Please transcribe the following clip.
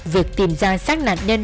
việc tìm ra sát nạn nhân